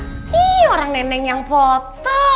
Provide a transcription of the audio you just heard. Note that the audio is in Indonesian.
ini orang neneng yang foto